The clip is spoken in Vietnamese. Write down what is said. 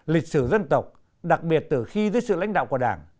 lịch sử dân tộc đặc biệt từ khi dưới sự lãnh đạo của đảng